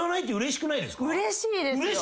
うれしいですよ！